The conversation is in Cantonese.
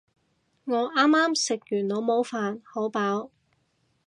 我啱啱食完老母飯，好飽